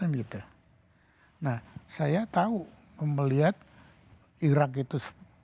nah saya tahu melihat irak itu